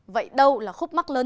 vậy đâu là khúc mắt lớn